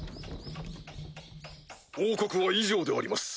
報告は以上であります。